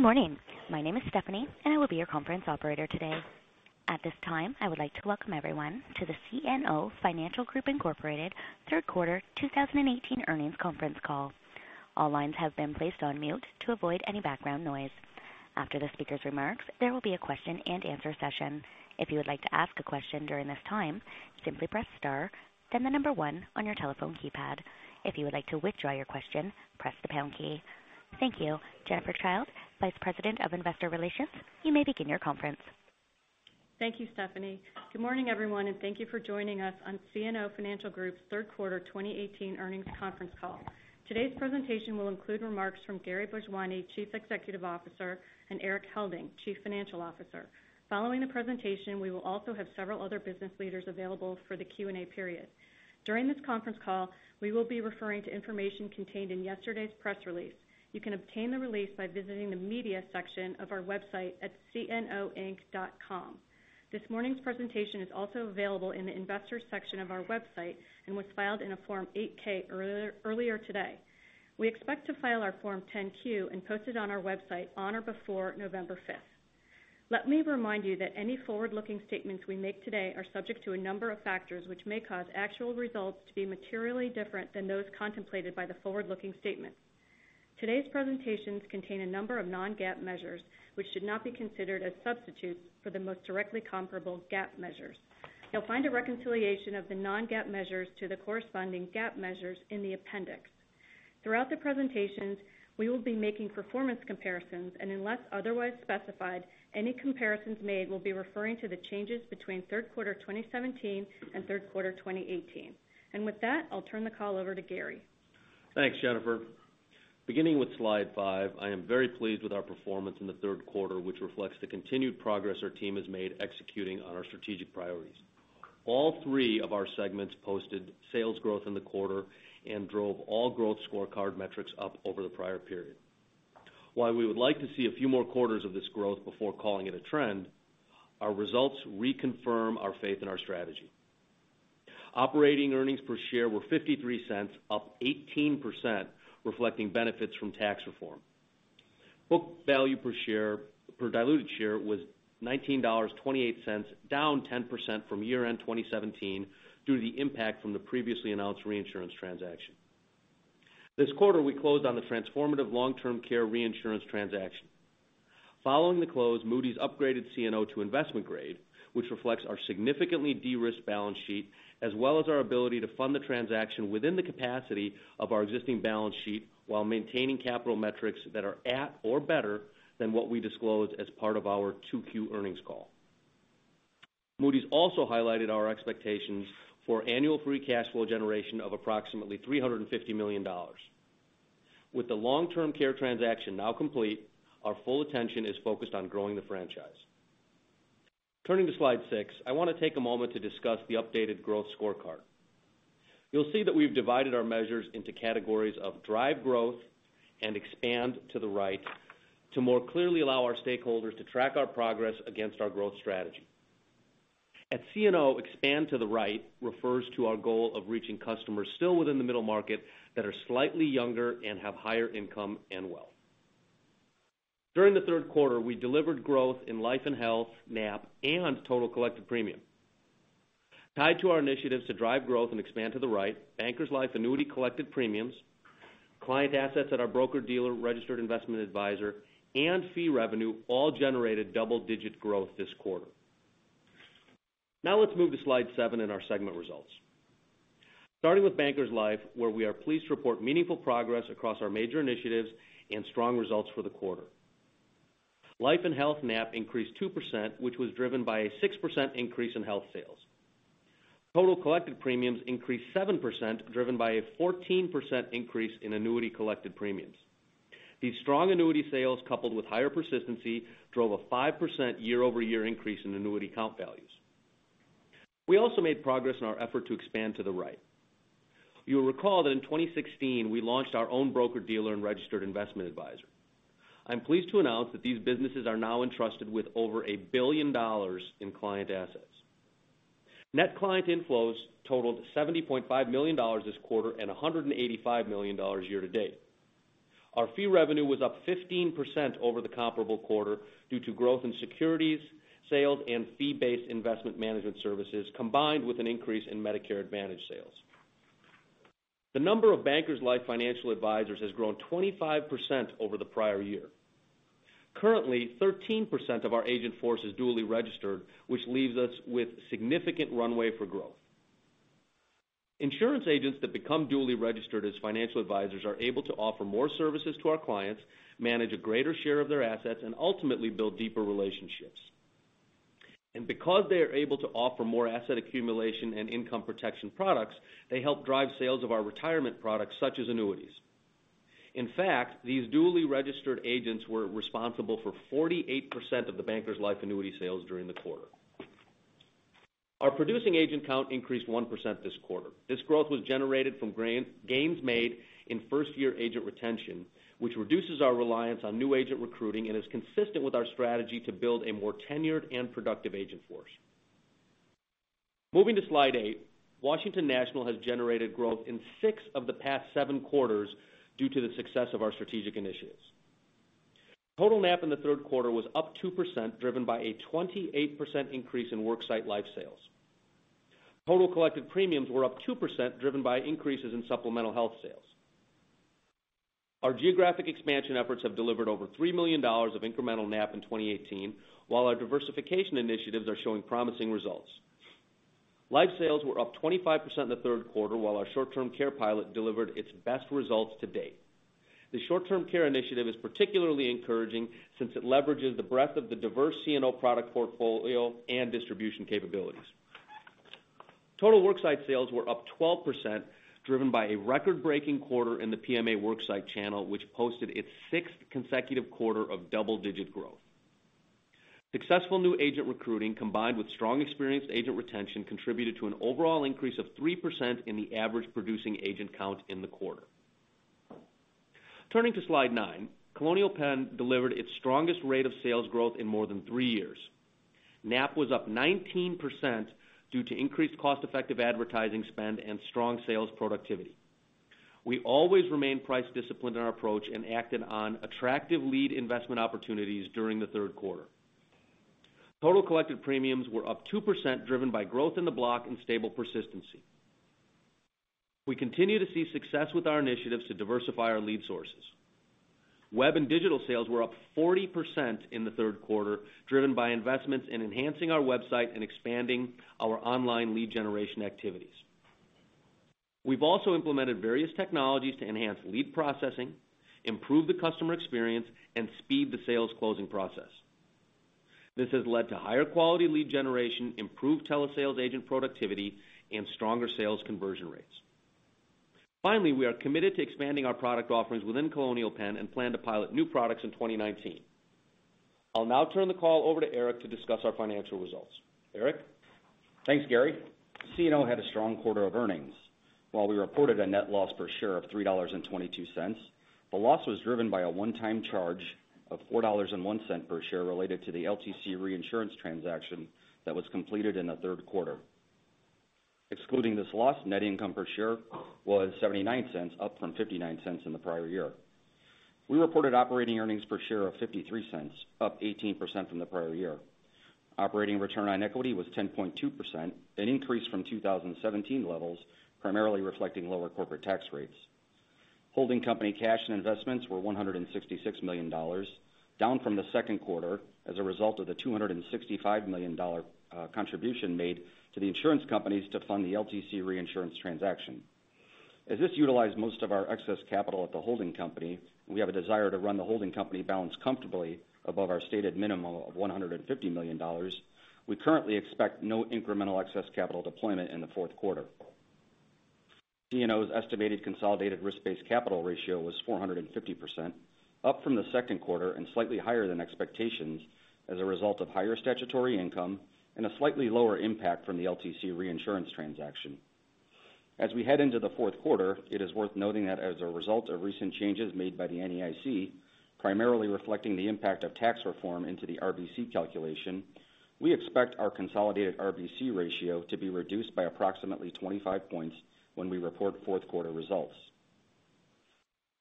Good morning. My name is Stephanie, and I will be your conference operator today. At this time, I would like to welcome everyone to the CNO Financial Group, Inc. third quarter 2018 earnings conference call. All lines have been placed on mute to avoid any background noise. After the speaker's remarks, there will be a question and answer session. If you would like to ask a question during this time, simply press star, then the number 1 on your telephone keypad. If you would like to withdraw your question, press the pound key. Thank you. Jennifer Childe, Vice President of Investor Relations. You may begin your conference. Thank you, Stephanie. Good morning, everyone, and thank you for joining us on CNO Financial Group's third quarter 2018 earnings conference call. Today's presentation will include remarks from Gary Bhojwani, Chief Executive Officer, and Erik Helding, Chief Financial Officer. Following the presentation, we will also have several other business leaders available for the Q&A period. During this conference call, we will be referring to information contained in yesterday's press release. You can obtain the release by visiting the media section of our website at cnoinc.com. This morning's presentation is also available in the investors section of our website and was filed in a Form 8-K earlier today. We expect to file our Form 10-Q and post it on our website on or before November 5th. Let me remind you that any forward-looking statements we make today are subject to a number of factors which may cause actual results to be materially different than those contemplated by the forward-looking statement. Today's presentations contain a number of non-GAAP measures, which should not be considered as substitutes for the most directly comparable GAAP measures. You'll find a reconciliation of the non-GAAP measures to the corresponding GAAP measures in the appendix. Throughout the presentations, we will be making performance comparisons, and unless otherwise specified, any comparisons made will be referring to the changes between third quarter 2017 and third quarter 2018. With that, I'll turn the call over to Gary. Thanks, Jennifer. Beginning with slide five, I am very pleased with our performance in the third quarter, which reflects the continued progress our team has made executing on our strategic priorities. All three of our segments posted sales growth in the quarter and drove all growth scorecard metrics up over the prior period. While we would like to see a few more quarters of this growth before calling it a trend, our results reconfirm our faith in our strategy. Operating earnings per share were $0.53, up 18%, reflecting benefits from tax reform. Book value per diluted share was $19.28, down 10% from year-end 2017 due to the impact from the previously announced reinsurance transaction. This quarter, we closed on the transformative long-term care reinsurance transaction. Following the close, Moody's upgraded CNO to investment grade, which reflects our significantly de-risked balance sheet, as well as our ability to fund the transaction within the capacity of our existing balance sheet while maintaining capital metrics that are at or better than what we disclosed as part of our 2Q earnings call. Moody's also highlighted our expectations for annual free cash flow generation of approximately $350 million. With the long-term care transaction now complete, our full attention is focused on growing the franchise. Turning to slide six, I want to take a moment to discuss the updated growth scorecard. You'll see that we've divided our measures into categories of drive growth and expand to the right to more clearly allow our stakeholders to track our progress against our growth strategy. At CNO, expand to the right refers to our goal of reaching customers still within the middle market that are slightly younger and have higher income and wealth. During the third quarter, we delivered growth in life and health NAP and total collected premium. Tied to our initiatives to drive growth and expand to the right, Bankers Life annuity collected premiums, client assets at our broker-dealer registered investment advisor, and fee revenue all generated double-digit growth this quarter. Now let's move to slide seven in our segment results. Starting with Bankers Life, where we are pleased to report meaningful progress across our major initiatives and strong results for the quarter. Life and health NAP increased 2%, which was driven by a 6% increase in health sales. Total collected premiums increased 7%, driven by a 14% increase in annuity collected premiums. These strong annuity sales, coupled with higher persistency, drove a 5% year-over-year increase in annuity count values. We also made progress in our effort to expand to the right. You'll recall that in 2016, we launched our own broker-dealer and registered investment advisor. I'm pleased to announce that these businesses are now entrusted with over $1 billion in client assets. Net client inflows totaled $70.5 million this quarter and $185 million year to date. Our fee revenue was up 15% over the comparable quarter due to growth in securities, sales, and fee-based investment management services, combined with an increase in Medicare Advantage sales. The number of Bankers Life financial advisors has grown 25% over the prior year. Currently, 13% of our agent force is dually registered, which leaves us with significant runway for growth. Because they are able to offer more asset accumulation and income protection products, they help drive sales of our retirement products such as annuities. In fact, these dually registered agents were responsible for 48% of the Bankers Life annuity sales during the quarter. Our producing agent count increased 1% this quarter. This growth was generated from gains made in first-year agent retention, which reduces our reliance on new agent recruiting and is consistent with our strategy to build a more tenured and productive agent force. Moving to slide eight, Washington National has generated growth in six of the past seven quarters due to the success of our strategic initiatives. Total NAP in the third quarter was up 2%, driven by a 28% increase in worksite life sales. Total collected premiums were up 2%, driven by increases in supplemental health sales. Our geographic expansion efforts have delivered over $3 million of incremental NAP in 2018, while our diversification initiatives are showing promising results. Life sales were up 25% in the third quarter while our short-term care pilot delivered its best results to date. The short-term care initiative is particularly encouraging since it leverages the breadth of the diverse CNO product portfolio and distribution capabilities. Total worksite sales were up 12%, driven by a record-breaking quarter in the PMA worksite channel, which posted its sixth consecutive quarter of double-digit growth. Successful new agent recruiting, combined with strong experienced agent retention, contributed to an overall increase of 3% in the average producing agent count in the quarter. Turning to slide nine, Colonial Penn delivered its strongest rate of sales growth in more than three years. NAP was up 19% due to increased cost-effective advertising spend and strong sales productivity. We always remain price-disciplined in our approach and acted on attractive lead investment opportunities during the third quarter. Total collected premiums were up 2%, driven by growth in the block and stable persistency. We continue to see success with our initiatives to diversify our lead sources. Web and digital sales were up 40% in the third quarter, driven by investments in enhancing our website and expanding our online lead generation activities. We've also implemented various technologies to enhance lead processing, improve the customer experience, and speed the sales closing process. This has led to higher quality lead generation, improved telesales agent productivity, and stronger sales conversion rates. We are committed to expanding our product offerings within Colonial Penn and plan to pilot new products in 2019. I'll now turn the call over to Erik to discuss our financial results. Erik? Thanks, Gary. CNO had a strong quarter of earnings. We reported a net loss per share of $3.22, the loss was driven by a one-time charge of $4.01 per share related to the LTC reinsurance transaction that was completed in the third quarter. Excluding this loss, net income per share was $0.79, up from $0.59 in the prior year. We reported operating earnings per share of $0.53, up 18% from the prior year. Operating return on equity was 10.2%, an increase from 2017 levels, primarily reflecting lower corporate tax rates. Holding company cash and investments were $166 million, down from the second quarter as a result of the $265 million contribution made to the insurance companies to fund the LTC reinsurance transaction. As this utilized most of our excess capital at the holding company, we have a desire to run the holding company balance comfortably above our stated minimum of $150 million. We currently expect no incremental excess capital deployment in the fourth quarter. CNO's estimated consolidated risk-based capital ratio was 450%, up from the second quarter and slightly higher than expectations as a result of higher statutory income and a slightly lower impact from the LTC reinsurance transaction. As we head into the fourth quarter, it is worth noting that as a result of recent changes made by the NAIC, primarily reflecting the impact of tax reform into the RBC calculation, we expect our consolidated RBC ratio to be reduced by approximately 25 points when we report fourth quarter results.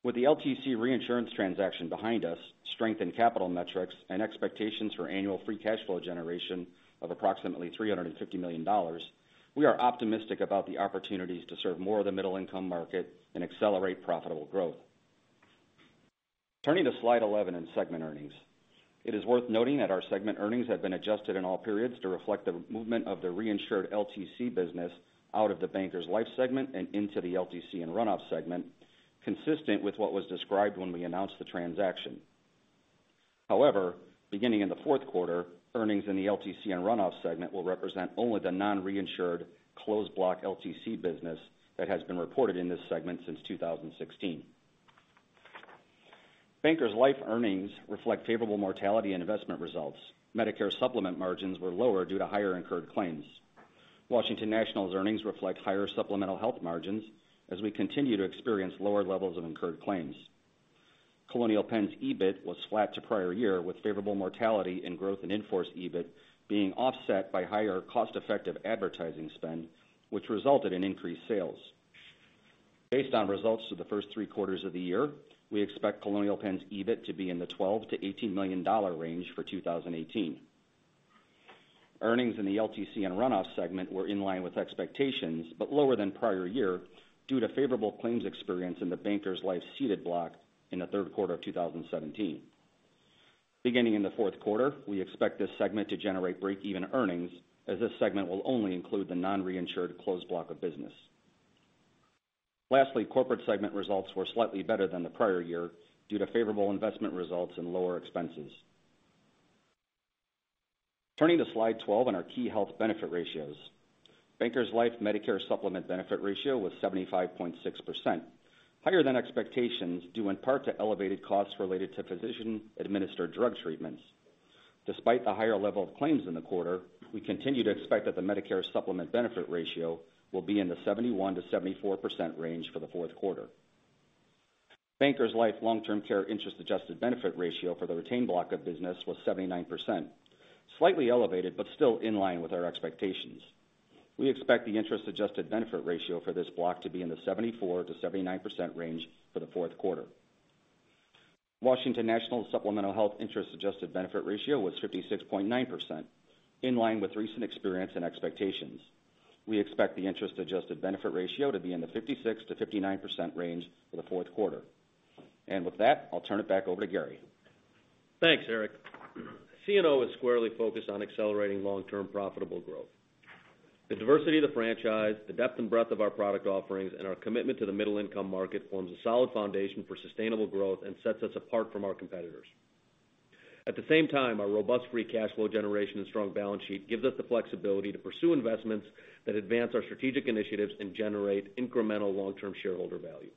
With the LTC reinsurance transaction behind us, strengthened capital metrics, and expectations for annual free cash flow generation of approximately $350 million, we are optimistic about the opportunities to serve more of the middle-income market and accelerate profitable growth. Turning to slide 11 in segment earnings. It is worth noting that our segment earnings have been adjusted in all periods to reflect the movement of the reinsured LTC business out of the Bankers Life segment and into the LTC and Run-off segment, consistent with what was described when we announced the transaction. However, beginning in the fourth quarter, earnings in the LTC and Run-off segment will represent only the non-reinsured closed block LTC business that has been reported in this segment since 2016. Bankers Life earnings reflect favorable mortality and investment results. Medicare Supplement margins were lower due to higher incurred claims. Washington National's earnings reflect higher supplemental health margins as we continue to experience lower levels of incurred claims. Colonial Penn's EBIT was flat to prior year, with favorable mortality and growth in in-force EBIT being offset by higher cost-effective advertising spend, which resulted in increased sales. Based on results for the first three quarters of the year, we expect Colonial Penn's EBIT to be in the $12 million-$18 million range for 2018. Earnings in the LTC and Run-off segment were in line with expectations but lower than prior year due to favorable claims experience in the Bankers Life ceded block in the third quarter of 2017. Beginning in the fourth quarter, we expect this segment to generate break-even earnings, as this segment will only include the non-reinsured closed block of business. Lastly, corporate segment results were slightly better than the prior year due to favorable investment results and lower expenses. Turning to slide 12 on our key health benefit ratios. Bankers Life Medicare Supplement benefit ratio was 75.6%, higher than expectations, due in part to elevated costs related to physician-administered drug treatments. Despite the higher level of claims in the quarter, we continue to expect that the Medicare Supplement benefit ratio will be in the 71%-74% range for the fourth quarter. Bankers Life long-term care interest adjusted benefit ratio for the retained block of business was 79%, slightly elevated, but still in line with our expectations. We expect the interest-adjusted benefit ratio for this block to be in the 74%-79% range for the fourth quarter. Washington National supplemental health interest adjusted benefit ratio was 56.9%, in line with recent experience and expectations. We expect the interest-adjusted benefit ratio to be in the 56%-59% range for the fourth quarter. With that, I'll turn it back over to Gary. Thanks, Erik. CNO is squarely focused on accelerating long-term profitable growth. The diversity of the franchise, the depth and breadth of our product offerings, and our commitment to the middle-income market forms a solid foundation for sustainable growth and sets us apart from our competitors. At the same time, our robust free cash flow generation and strong balance sheet gives us the flexibility to pursue investments that advance our strategic initiatives and generate incremental long-term shareholder value.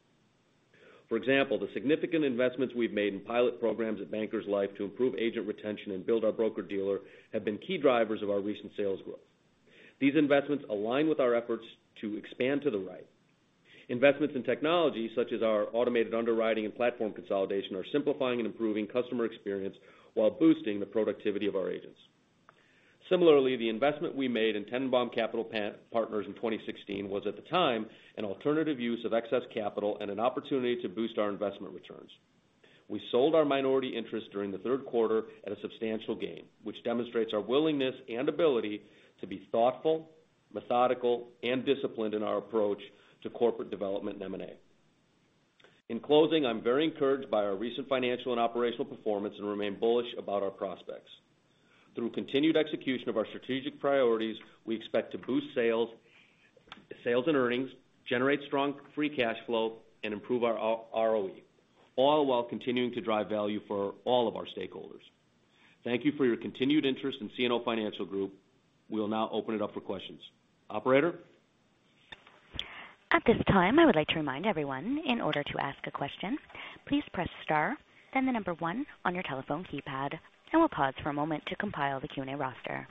For example, the significant investments we've made in pilot programs at Bankers Life to improve agent retention and build our broker dealer have been key drivers of our recent sales growth. These investments align with our efforts to expand to the right. Investments in technology, such as our automated underwriting and platform consolidation, are simplifying and improving customer experience while boosting the productivity of our agents. Similarly, the investment we made in Tennenbaum Capital Partners in 2016 was, at the time, an alternative use of excess capital and an opportunity to boost our investment returns. We sold our minority interest during the third quarter at a substantial gain, which demonstrates our willingness and ability to be thoughtful, methodical, and disciplined in our approach to corporate development and M&A. In closing, I'm very encouraged by our recent financial and operational performance and remain bullish about our prospects. Through continued execution of our strategic priorities, we expect to boost sales and earnings, generate strong free cash flow, and improve our ROE, all while continuing to drive value for all of our stakeholders. Thank you for your continued interest in CNO Financial Group. We will now open it up for questions. Operator? At this time, I would like to remind everyone, in order to ask a question, please press star, then the number one on your telephone keypad. We'll pause for a moment to compile the Q&A roster.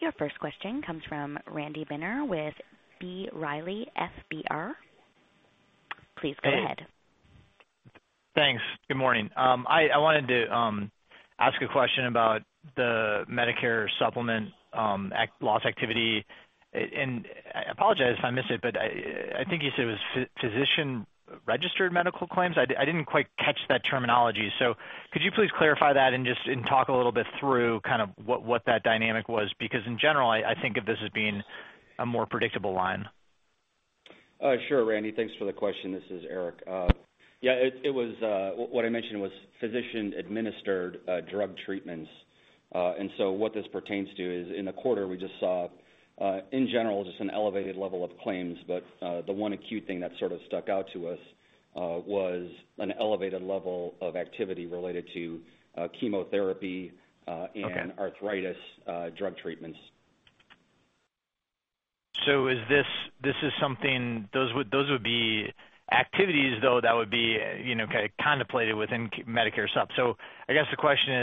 Your first question comes from Randy Binner with B. Riley FBR. Please go ahead. Thanks. Good morning. I wanted to ask a question about the Medicare Supplement loss activity. I apologize if I missed it, but I think you said it was physician-registered medical claims. I didn't quite catch that terminology. Could you please clarify that and just talk a little bit through kind of what that dynamic was? In general, I think of this as being a more predictable line. Sure, Randy. Thanks for the question. This is Erik. Yeah, what I mentioned was physician-administered drug treatments. What this pertains to is, in the quarter, we just saw, in general, just an elevated level of claims. The one acute thing that sort of stuck out to us was an elevated level of activity related to chemotherapy- Okay arthritis drug treatments. Those would be activities, though, that would be contemplated within Medicare sup. I guess the question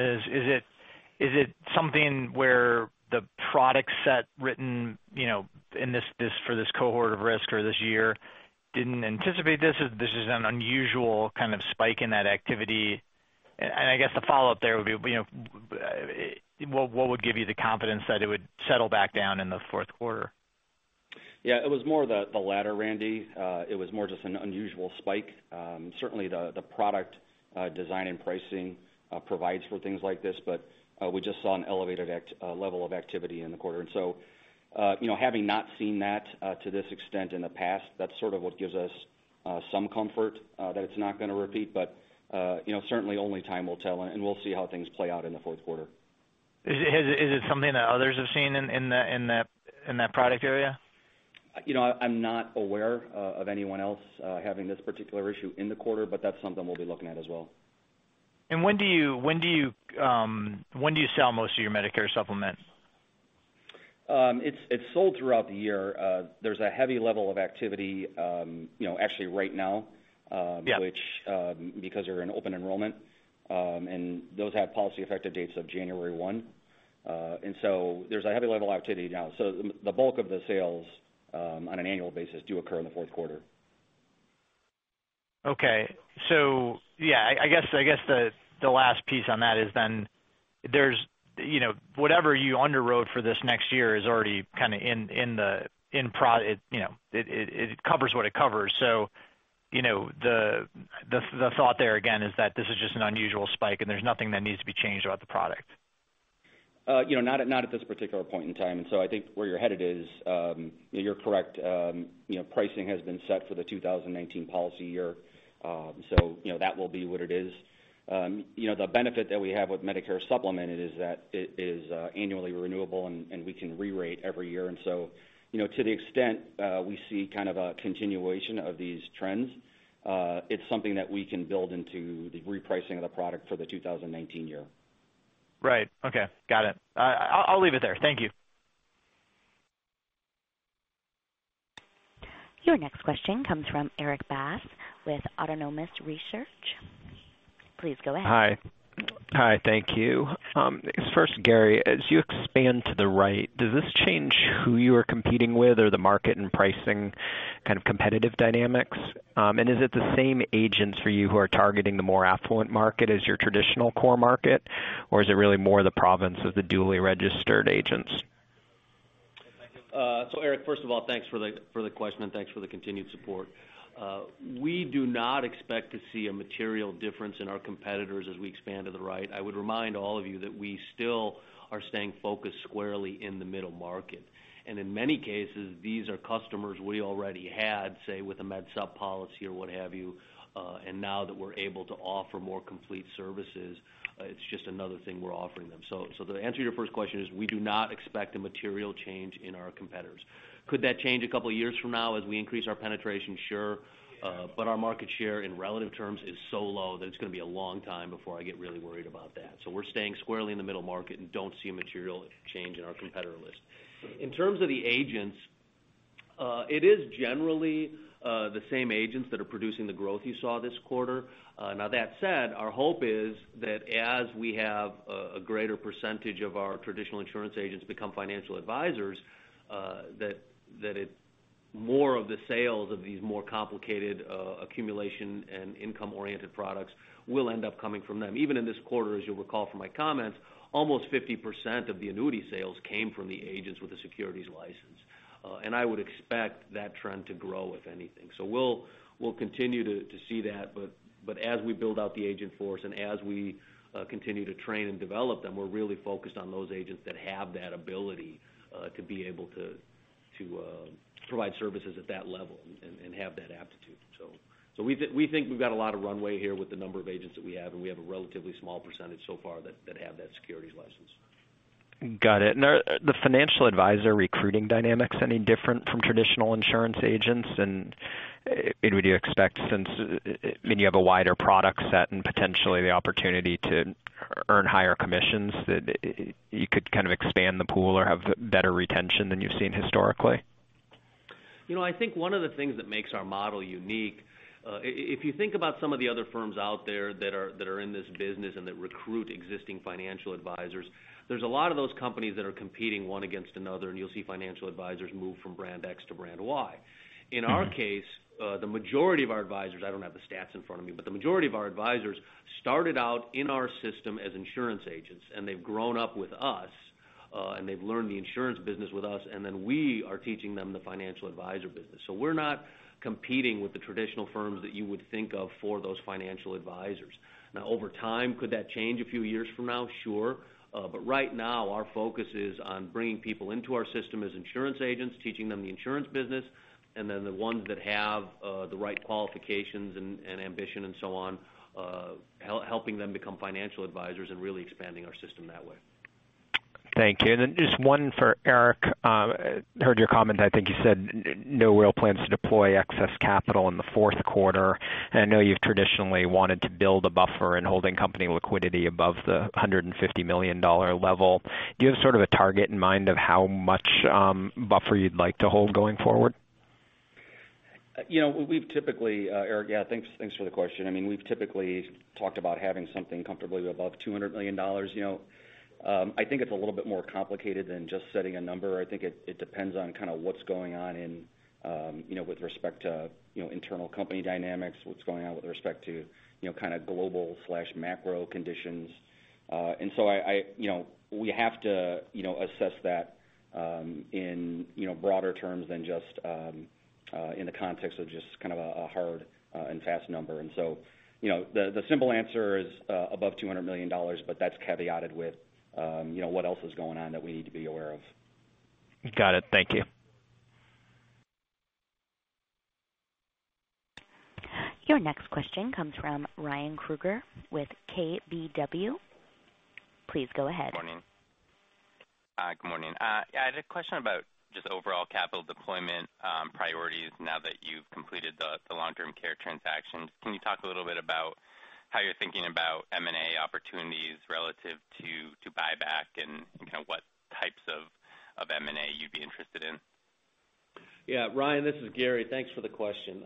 is it something where the product set written for this cohort of risk or this year didn't anticipate this? This is an unusual kind of spike in that activity. I guess the follow-up there would be, what would give you the confidence that it would settle back down in the fourth quarter? Yeah, it was more the latter, Randy. It was more just an unusual spike. Certainly, the product design and pricing provides for things like this, but we just saw an elevated level of activity in the quarter. Having not seen that to this extent in the past, that's sort of what gives us some comfort that it's not going to repeat. Certainly only time will tell, and we'll see how things play out in the fourth quarter. Is it something that others have seen in that product area? I'm not aware of anyone else having this particular issue in the quarter. That's something we'll be looking at as well. When do you sell most of your Medicare Supplement? It's sold throughout the year. There's a heavy level of activity actually right now. Yeah. They're in open enrollment, and those have policy effective dates of January 1. There's a heavy level of activity now. The bulk of the sales on an annual basis do occur in the fourth quarter. Okay. Yeah, I guess the last piece on that is then, whatever you underwrote for this next year is already kind of in progress. It covers what it covers. The thought there again is that this is just an unusual spike and there's nothing that needs to be changed about the product. Not at this particular point in time. I think where you're headed is, you're correct. Pricing has been set for the 2019 policy year. That will be what it is. The benefit that we have with Medicare Supplement is that it is annually renewable, and we can re-rate every year. To the extent we see kind of a continuation of these trends, it's something that we can build into the repricing of the product for the 2019 year. Right. Okay. Got it. I'll leave it there. Thank you. Your next question comes from Erik Bass with Autonomous Research. Please go ahead. Hi. Thank you. Gary, as you expand to the right, does this change who you are competing with or the market and pricing kind of competitive dynamics? Is it the same agents for you who are targeting the more affluent market as your traditional core market, or is it really more the province of the dually registered agents? Erik, first of all, thanks for the question, and thanks for the continued support. We do not expect to see a material difference in our competitors as we expand to the right. I would remind all of you that we still are staying focused squarely in the middle market. In many cases, these are customers we already had, say, with a medsup policy or what have you. Now that we're able to offer more complete services, it's just another thing we're offering them. The answer to your first question is, we do not expect a material change in our competitors. Could that change a couple of years from now as we increase our penetration? Sure. Our market share in relative terms is so low that it's going to be a long time before I get really worried about that. We're staying squarely in the middle market and don't see a material change in our competitor list. In terms of the agents, it is generally the same agents that are producing the growth you saw this quarter. That said, our hope is that as we have a greater percentage of our traditional insurance agents become financial advisors, that more of the sales of these more complicated accumulation and income-oriented products will end up coming from them. Even in this quarter, as you'll recall from my comments, almost 50% of the annuity sales came from the agents with a securities license. I would expect that trend to grow with anything. We'll continue to see that, but as we build out the agent force and as we continue to train and develop them, we're really focused on those agents that have that ability to be able to provide services at that level and have that aptitude. We think we've got a lot of runway here with the number of agents that we have, and we have a relatively small percentage so far that have that securities license. Got it. Are the financial advisor recruiting dynamics any different from traditional insurance agents? Would you expect since you have a wider product set and potentially the opportunity to earn higher commissions, that you could kind of expand the pool or have better retention than you've seen historically? I think one of the things that makes our model unique, if you think about some of the other firms out there that are in this business and that recruit existing financial advisors, there's a lot of those companies that are competing one against another, and you'll see financial advisors move from brand X to brand Y. In our case, the majority of our advisors, I don't have the stats in front of me, but the majority of our advisors started out in our system as insurance agents, and they've grown up with us, and they've learned the insurance business with us, and then we are teaching them the financial advisor business. We're not competing with the traditional firms that you would think of for those financial advisors. Now, over time, could that change a few years from now? Sure. Right now, our focus is on bringing people into our system as insurance agents, teaching them the insurance business, and then the ones that have the right qualifications and ambition and so on, helping them become financial advisors and really expanding our system that way. Thank you. Just one for Erik. Heard your comment, I think you said no real plans to deploy excess capital in the fourth quarter. I know you've traditionally wanted to build a buffer and holding company liquidity above the $150 million level. Do you have sort of a target in mind of how much buffer you'd like to hold going forward? Erik, thanks for the question. We've typically talked about having something comfortably above $200 million. I think it's a little bit more complicated than just setting a number. I think it depends on kind of what's going on with respect to internal company dynamics, what's going on with respect to kind of global/macro conditions. So we have to assess that in broader terms than just in the context of just kind of a hard and fast number. So, the simple answer is above $200 million, but that's caveated with what else is going on that we need to be aware of. Got it. Thank you. Your next question comes from Ryan Krueger with KBW. Please go ahead. Good morning. I had a question about just overall capital deployment priorities now that you've completed the long-term care transactions. Can you talk a little bit about how you're thinking about M&A opportunities relative to buyback and kind of what types of M&A you'd be interested in? Ryan, this is Gary. Thanks for the question.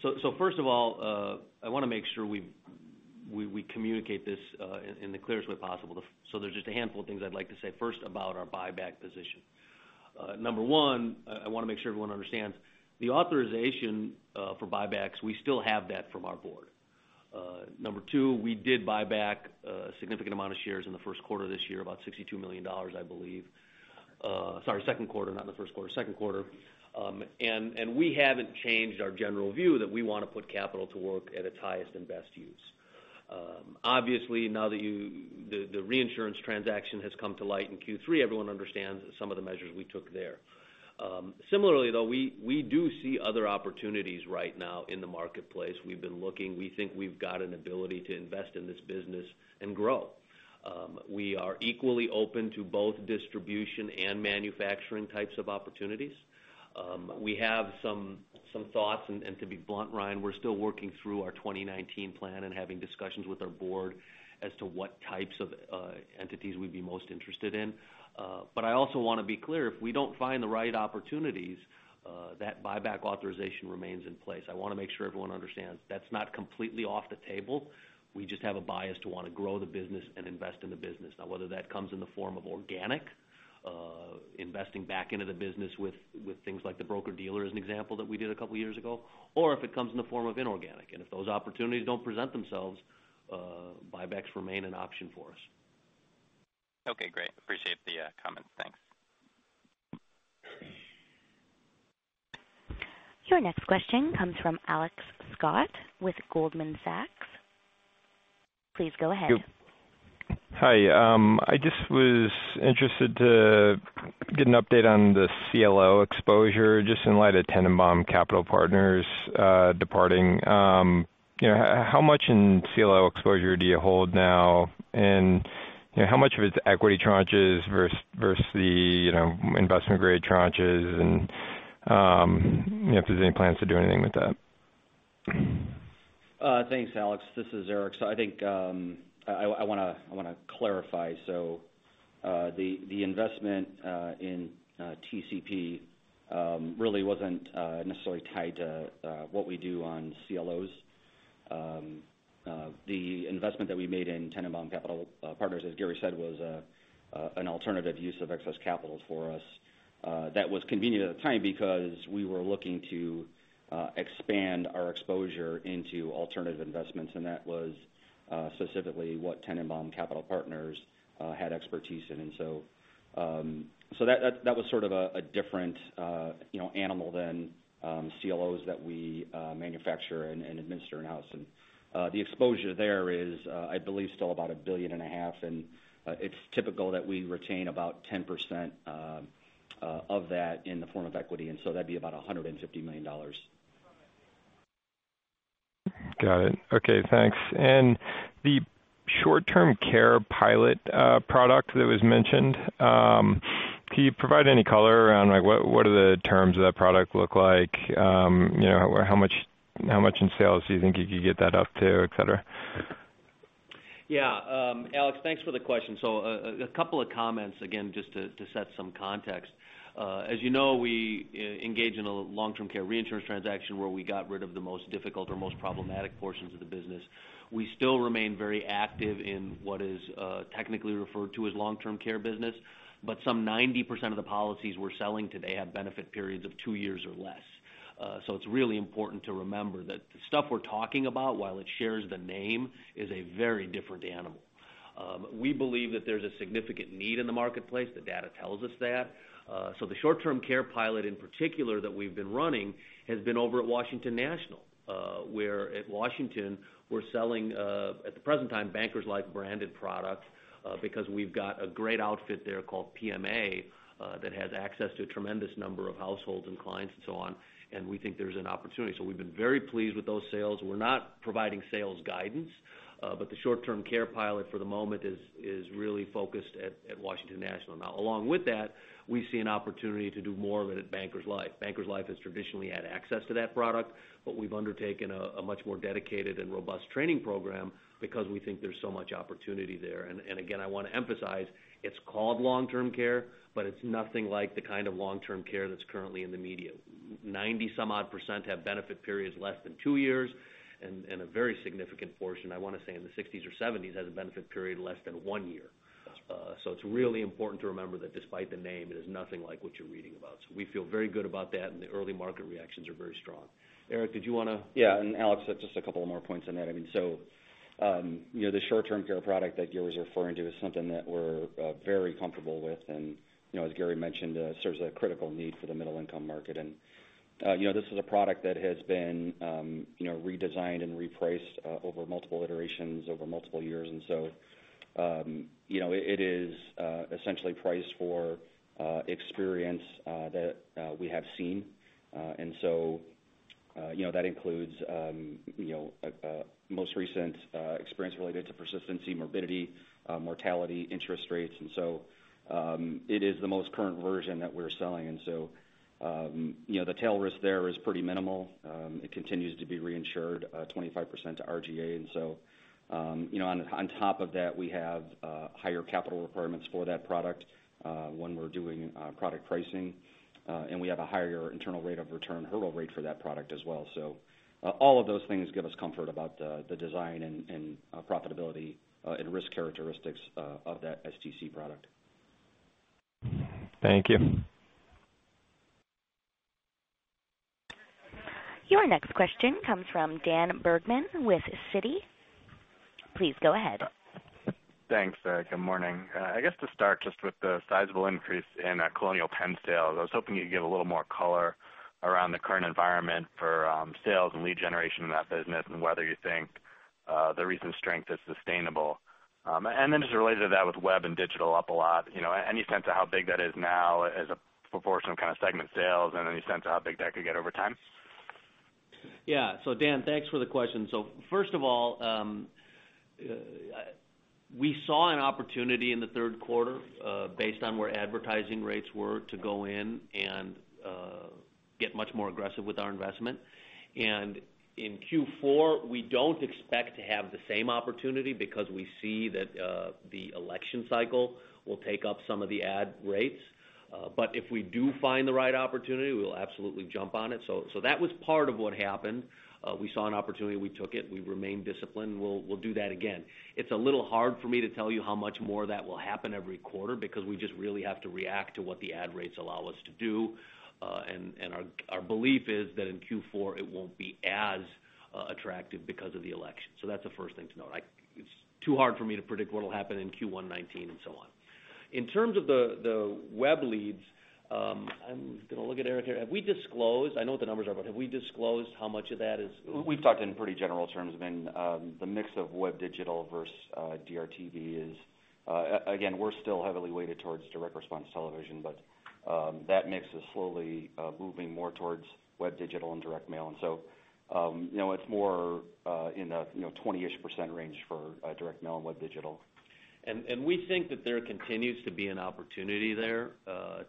First of all, I want to make sure we communicate this in the clearest way possible. There's just a handful of things I'd like to say first about our buyback position. Number 1, I want to make sure everyone understands the authorization for buybacks, we still have that from our board. Number 2, we did buy back a significant amount of shares in the first quarter this year, about $62 million, I believe. Sorry, second quarter, not in the first quarter, second quarter. We haven't changed our general view that we want to put capital to work at its highest and best use. Obviously, now that the reinsurance transaction has come to light in Q3, everyone understands some of the measures we took there. Similarly, though, we do see other opportunities right now in the marketplace. We've been looking. We think we've got an ability to invest in this business and grow. We are equally open to both distribution and manufacturing types of opportunities. We have some thoughts, to be blunt, Ryan, we're still working through our 2019 plan and having discussions with our board as to what types of entities we'd be most interested in. I also want to be clear, if we don't find the right opportunities, that buyback authorization remains in place. I want to make sure everyone understands that's not completely off the table. We just have a bias to want to grow the business and invest in the business. Whether that comes in the form of organic Investing back into the business with things like the broker-dealer as an example that we did a couple of years ago, or if it comes in the form of inorganic. If those opportunities don't present themselves, buybacks remain an option for us. Okay, great. Appreciate the comments. Thanks. Your next question comes from Alex Scott with Goldman Sachs. Please go ahead. Hi. I just was interested to get an update on the CLO exposure, just in light of Tennenbaum Capital Partners departing. How much in CLO exposure do you hold now? How much of it is equity tranches versus the investment grade tranches? If there's any plans to do anything with that. Thanks, Alex. This is Erik. I think I want to clarify. The investment in TCP really wasn't necessarily tied to what we do on CLOs. The investment that we made in Tennenbaum Capital Partners, as Gary said, was an alternative use of excess capital for us that was convenient at the time because we were looking to expand our exposure into alternative investments, that was specifically what Tennenbaum Capital Partners had expertise in. That was sort of a different animal than CLOs that we manufacture and administer in-house. The exposure there is, I believe, still about $1.5 billion, and it's typical that we retain about 10% of that in the form of equity, and so that'd be about $150 million. Got it. Okay, thanks. The short-term care pilot product that was mentioned, can you provide any color around what do the terms of that product look like? How much in sales do you think you could get that up to, et cetera? Yeah. Alex, thanks for the question. A couple of comments, again, just to set some context. As you know, we engage in a long-term care reinsurance transaction where we got rid of the most difficult or most problematic portions of the business. We still remain very active in what is technically referred to as long-term care business, but some 90% of the policies we're selling today have benefit periods of two years or less. It's really important to remember that the stuff we're talking about, while it shares the name, is a very different animal. We believe that there's a significant need in the marketplace. The data tells us that. The short-term care pilot in particular that we've been running has been over at Washington National, where at Washington, we're selling, at the present time, Bankers Life branded product because we've got a great outfit there called PMA that has access to a tremendous number of households and clients and so on, and we think there's an opportunity. We've been very pleased with those sales. We're not providing sales guidance, but the short-term care pilot for the moment is really focused at Washington National. Along with that, we see an opportunity to do more of it at Bankers Life. Bankers Life has traditionally had access to that product, but we've undertaken a much more dedicated and robust training program because we think there's so much opportunity there. Again, I want to emphasize, it's called long-term care, but it's nothing like the kind of long-term care that's currently in the media. 90% some odd percent have benefit periods less than two years, and a very significant portion, I want to say in the 60s or 70s, has a benefit period less than one year. It's really important to remember that despite the name, it is nothing like what you're reading about. We feel very good about that, and the early market reactions are very strong. Erik. Yeah. Alex, just a couple of more points on that. The short-term care product that Gary's referring to is something that we're very comfortable with, and as Gary mentioned, serves a critical need for the middle-income market. This is a product that has been redesigned and repriced over multiple iterations over multiple years. It is essentially priced for experience that we have seen. That includes most recent experience related to persistency, morbidity, mortality, interest rates. It is the most current version that we're selling. The tail risk there is pretty minimal. It continues to be reinsured 25% to RGA. On top of that, we have higher capital requirements for that product when we're doing product pricing, and we have a higher internal rate of return hurdle rate for that product as well. All of those things give us comfort about the design and profitability and risk characteristics of that STC product. Thank you. Your next question comes from Daniel Bergman with Citi. Please go ahead. Thanks. Good morning. I guess to start just with the sizable increase in Colonial Penn sales, I was hoping you'd give a little more color around the current environment for sales and lead generation in that business, and whether you think the recent strength is sustainable. Just related to that, with web and digital up a lot, any sense of how big that is now as a proportion of segment sales, and any sense of how big that could get over time? Yeah. Dan, thanks for the question. First of all, we saw an opportunity in the third quarter, based on where advertising rates were, to go in and get much more aggressive with our investment. In Q4, we don't expect to have the same opportunity because we see that the election cycle will take up some of the ad rates. If we do find the right opportunity, we will absolutely jump on it. That was part of what happened. We saw an opportunity. We took it. We remained disciplined, and we'll do that again. It's a little hard for me to tell you how much more that will happen every quarter, because we just really have to react to what the ad rates allow us to do. Our belief is that in Q4, it won't be as attractive because of the election. That's the first thing to note. It's too hard for me to predict what'll happen in Q1 2019 and so on. In terms of the web leads, I'm going to look at Erik here. Have we disclosed, I know what the numbers are, but have we disclosed how much of that is- We've talked in pretty general terms. The mix of web digital versus DRTV is, again, we're still heavily weighted towards direct response television, but that mix is slowly moving more towards web digital and direct mail. It's more in the 20-ish% range for direct mail and web digital. We think that there continues to be an opportunity there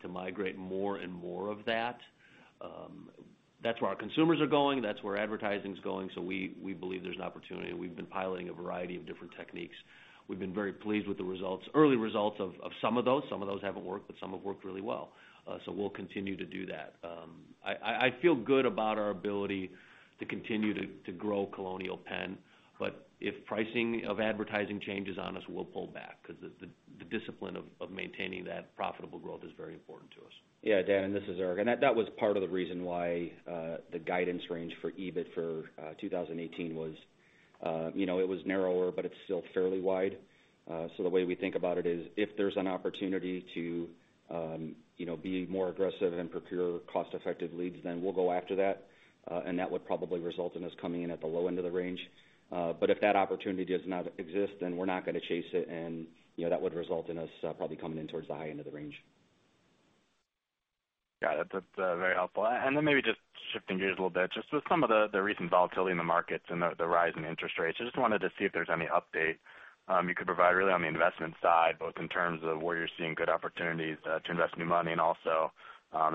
to migrate more and more of that. That's where our consumers are going. That's where advertising's going. We believe there's an opportunity. We've been piloting a variety of different techniques. We've been very pleased with the early results of some of those. Some of those haven't worked, but some have worked really well. We'll continue to do that. I feel good about our ability to continue to grow Colonial Penn. If pricing of advertising changes on us, we'll pull back because the discipline of maintaining that profitable growth is very important to us. Dan, this is Erik. That was part of the reason why the guidance range for EBIT for 2018 was narrower, it's still fairly wide. The way we think about it is if there's an opportunity to be more aggressive and procure cost-effective leads, we'll go after that. That would probably result in us coming in at the low end of the range. If that opportunity does not exist, we're not going to chase it, that would result in us probably coming in towards the high end of the range. That's very helpful. Maybe just shifting gears a little bit, just with some of the recent volatility in the markets and the rise in interest rates, I just wanted to see if there's any update you could provide really on the investment side, both in terms of where you're seeing good opportunities to invest new money and also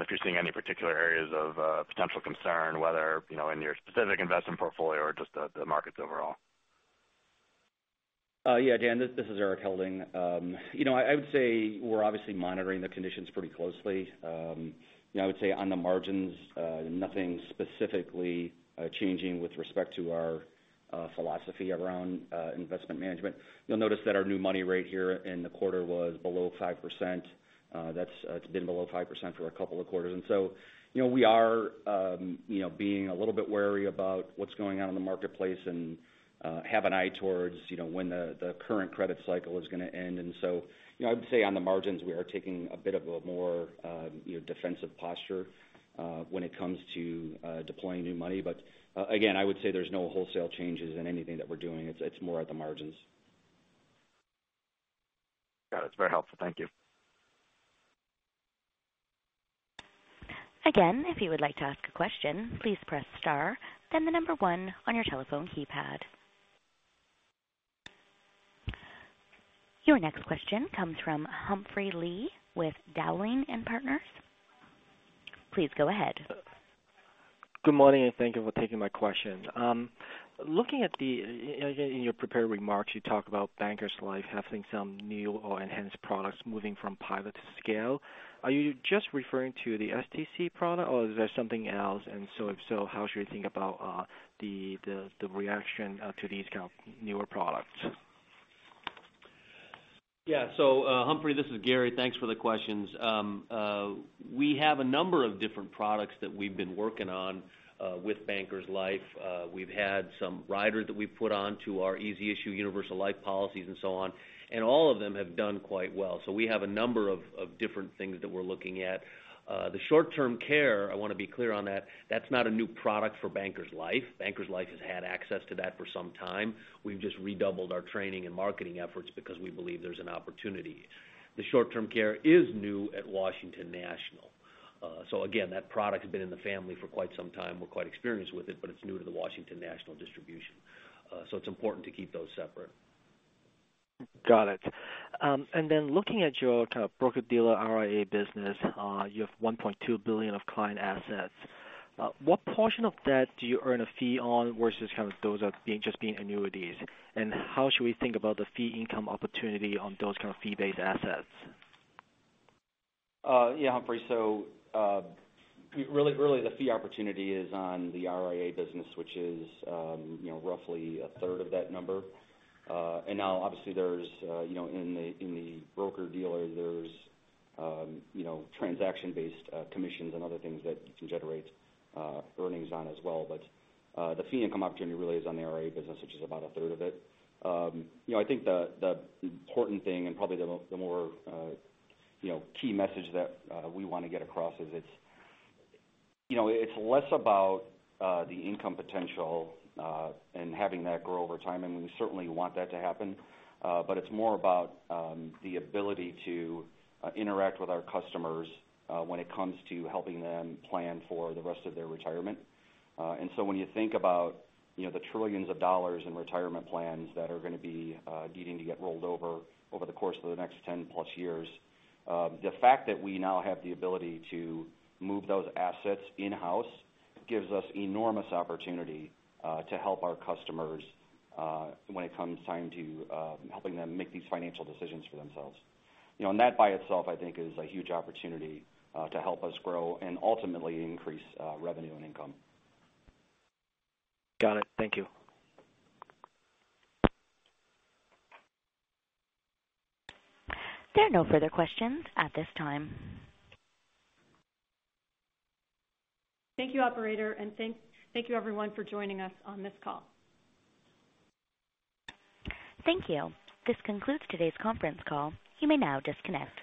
if you're seeing any particular areas of potential concern, whether in your specific investment portfolio or just the markets overall. Dan, this is Erik Helding. I would say we're obviously monitoring the conditions pretty closely. I would say on the margins, nothing specifically changing with respect to our philosophy around investment management. You'll notice that our new money rate here in the quarter was below 5%. That's been below 5% for a couple of quarters. We are being a little bit wary about what's going on in the marketplace and have an eye towards when the current credit cycle is going to end. I would say on the margins, we are taking a bit of a more defensive posture when it comes to deploying new money. Again, I would say there's no wholesale changes in anything that we're doing. It's more at the margins. Got it. It's very helpful. Thank you. Again, if you would like to ask a question, please press star, then the number one on your telephone keypad. Your next question comes from Humphrey Lee with Dowling & Partners. Please go ahead. Good morning. Thank you for taking my question. In your prepared remarks, you talk about Bankers Life having some new or enhanced products moving from pilot to scale. Are you just referring to the STC product or is there something else? If so, how should we think about the reaction to these kind of newer products? Humphrey, this is Gary. Thanks for the questions. We have a number of different products that we've been working on with Bankers Life. We've had some riders that we've put on to our easy issue, universal life policies, and so on. All of them have done quite well. We have a number of different things that we're looking at. The short-term care, I want to be clear on that's not a new product for Bankers Life. Bankers Life has had access to that for some time. We've just redoubled our training and marketing efforts because we believe there's an opportunity. The short-term care is new at Washington National. Again, that product has been in the family for quite some time. We're quite experienced with it, but it's new to the Washington National distribution. It's important to keep those separate. Got it. Looking at your kind of broker-dealer RIA business, you have $1.2 billion of client assets. What portion of that do you earn a fee on versus kind of those just being annuities? How should we think about the fee income opportunity on those kind of fee-based assets? Humphrey. Really the fee opportunity is on the RIA business, which is roughly a third of that number. Now obviously in the broker-dealer, there's transaction-based commissions and other things that you can generate earnings on as well. The fee income opportunity really is on the RIA business, which is about a third of it. I think the important thing and probably the more key message that we want to get across is it's less about the income potential and having that grow over time, and we certainly want that to happen, but it's more about the ability to interact with our customers when it comes to helping them plan for the rest of their retirement. When you think about the trillions of dollars in retirement plans that are going to be needing to get rolled over the course of the next 10+ years, the fact that we now have the ability to move those assets in-house gives us enormous opportunity to help our customers when it comes time to helping them make these financial decisions for themselves. That by itself, I think is a huge opportunity to help us grow and ultimately increase revenue and income. Got it. Thank you. There are no further questions at this time. Thank you, operator, and thank you everyone for joining us on this call. Thank you. This concludes today's conference call. You may now disconnect.